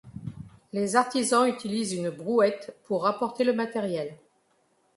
les artisans utilisent une brouette pour apporter le matériel